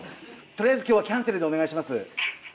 とりあえず今日はキャンセルでお願いします。